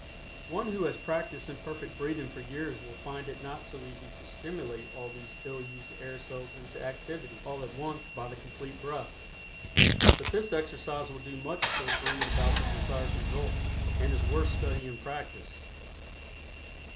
One who has practiced imperfect breathing for years will find it not so easy to stimulate all these ill used air cells into activity all at once by the Complete Breath, but this exercise will do much toward bringing about the desired result, and is worth study and practice.